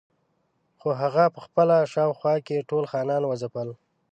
خو هغه په خپله شاوخوا کې ټول خانان وځپل.